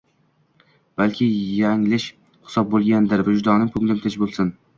balki yanglish hisob bo'lgandir, vijdonim, ko'nglim tinch bo'lsin